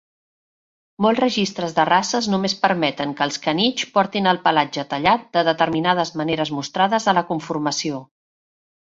Molts registres de races només permeten que els canitxs portin el pelatge tallat de determinades maneres mostrades a la conformació.